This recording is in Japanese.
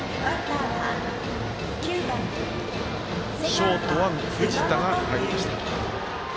ショートは藤田が入りました。